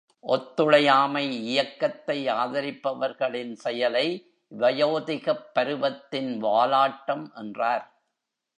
ஒத்துழையாமை இயக்கத்தை ஆதரிப்பவர்களின் செயலை வயோதிகப் பருவத்தின் வாலாட்டம் என்றார்.